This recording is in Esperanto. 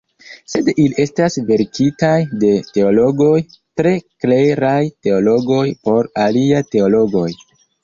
Sed ili estas verkitaj de teologoj, tre kleraj teologoj, por aliaj teologoj.